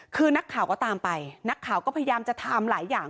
คือนักข่าวก็ตามไปนักข่าวก็พยายามจะทำหลายอย่าง